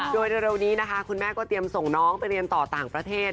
โดยเร็วนี้นะคะคุณแม่ก็เตรียมส่งน้องไปเรียนต่อต่างประเทศ